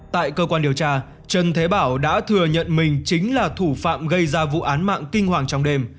tại cơ quan điều tra trần thế bảo đã thừa nhận mình chính là thủ phạm gây ra vụ án mạng kinh hoàng trong đêm